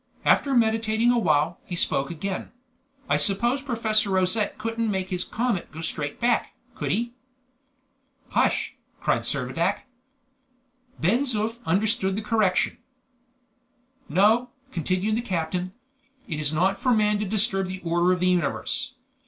After meditating a while, he spoke again. "I suppose Professor Rosette couldn't make his comet go straight back, could he?" "Hush!" cried Servadac. Ben Zoof understood the correction. "No," continued the captain; "it is not for man to disturb the order of the universe.